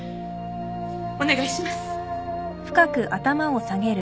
お願いします。